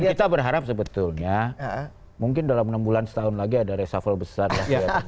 dan kita berharap sebetulnya mungkin dalam enam bulan setahun lagi ada resafal besar lah